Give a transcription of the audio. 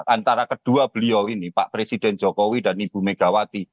antara kedua beliau ini pak presiden jokowi dan ibu megawati